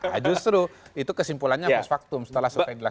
nah justru itu kesimpulannya must factum setelah survei dilaksanakan